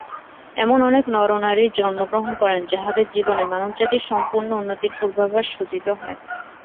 এমন অনেক নর-নারী জন্মগ্রহণ করেন, যাঁহাদের জীবনে মানবজাতির সম্পূর্ণ উন্নতির পূর্বাভাস সূচিত হয়।